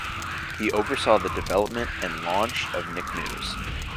He oversaw the development and launch of Nick News.